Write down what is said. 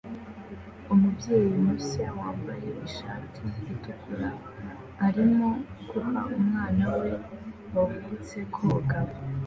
Umubyeyi mushya wambaye ishati itukura arimo guha umwana we wavutse koga